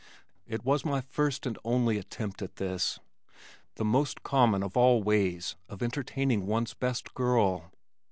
It was my first and only attempt at this, the most common of all ways of entertaining one's best girl.